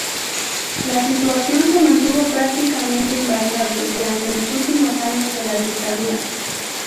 La situación se mantuvo prácticamente invariable durante los últimos años de la dictadura.